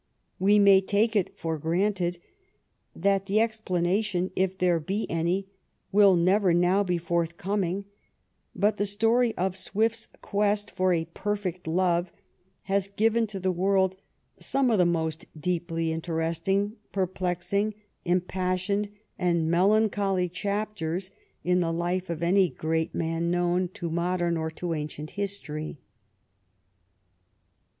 We may take it for granted that the explanation, if there be any, will never now be forthcoming, but the story of Swift^s quest for a per fect love has given to the world some of the moat deeply interesting, perplexing, impassioned, and mel ancholy chapters in the life of any great man known to modem or to ancient history.